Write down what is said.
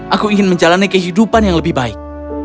aku ingin menjalani kehidupan yang lebih baik